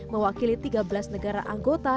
mewakili tiga belas negara anggota